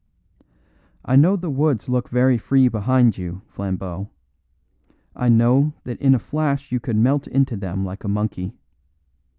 I know the woods look very free behind you, Flambeau; I know that in a flash you could melt into them like a monkey.